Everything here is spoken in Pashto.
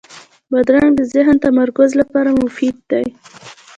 بادرنګ د ذهني تمرکز لپاره مفید دی.